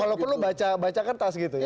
kalau perlu baca baca kertas gitu ya